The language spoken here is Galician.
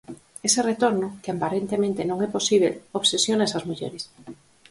Ese retorno, que aparentemente non é posíbel, obsesiona esas mulleres.